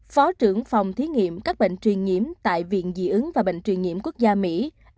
phó trưởng phòng thí nghiệm các bệnh truyền nhiễm tại viện dị ứng và bệnh truyền nhiễm quốc gia mỹ